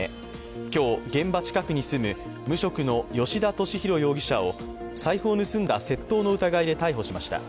今日、現場近くに住む無職の吉田俊博容疑者を財布を盗んだ窃盗の疑いで逮捕しました。